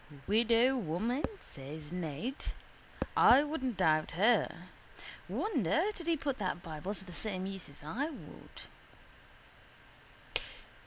—Widow woman, says Ned. I wouldn't doubt her. Wonder did he put that bible to the same use as I would.